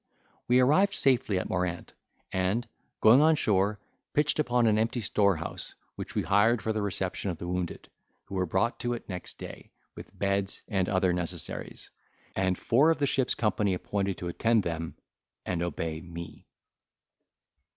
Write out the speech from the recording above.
We arrived safely at Morant, and, going on shore, pitched upon an empty storehouse; which we hired for the reception of the wounded, who were brought to it next day, with beds and other necessaries; and four of the ship's company appointed to attend them and obey me.